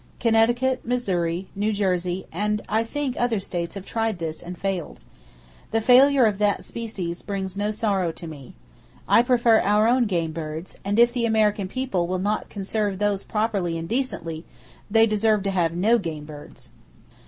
Connecticut, Missouri, New Jersey and I think other states have tried this, and failed. The failure of that species brings no sorrow to me. I prefer our own game birds; and if the American people will not conserve those properly and decently they deserve to have no game birds.